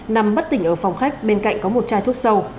nằm bất tỉnh ở phòng khách bên cạnh có một chai thuốc sâu